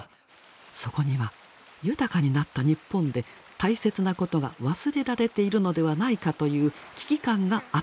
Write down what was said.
そこには豊かになった日本で大切なことが忘れられているのではないかという危機感があったといいます。